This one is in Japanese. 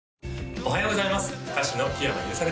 おはようございます